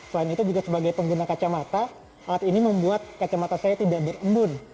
selain itu juga sebagai pengguna kacamata alat ini membuat kacamata saya tidak berembun